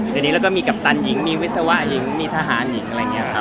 ทีนี้แล้วก็มีกัปตันหญิงมีวิศวะหญิงมีทหารหญิงอะไรอย่างนี้ครับ